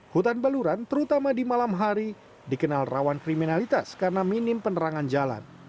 hutan baluran terutama di malam hari dikenal rawan kriminalitas karena minim penerangan jalan